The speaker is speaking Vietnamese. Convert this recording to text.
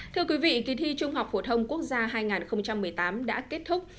thưa quý vị kỳ thi trung học phổ thông quốc gia hai nghìn một mươi tám đã kết thúc